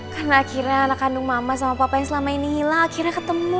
karena akhirnya anak kandung mama sama papa yang selama ini hilang akhirnya ketemu